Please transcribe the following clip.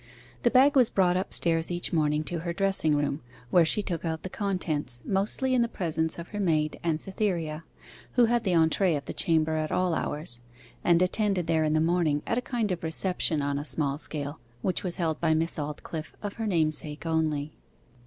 The bag was brought upstairs each morning to her dressing room, where she took out the contents, mostly in the presence of her maid and Cytherea, who had the entree of the chamber at all hours, and attended there in the morning at a kind of reception on a small scale, which was held by Miss Aldclyffe of her namesake only.